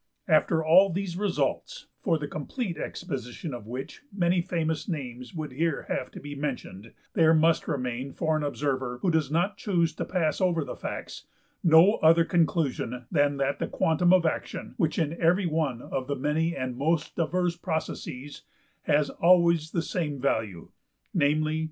After all these results, for the complete exposition of which many famous names would here have to be mentioned, there must remain for an observer, who does not choose to pass over the facts, no other conclusion than that the quantum of action, which in every one of the many and most diverse processes has always the same value, namely $6.